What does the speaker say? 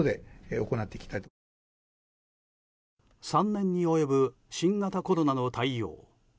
３年に及ぶ新型コロナの対応。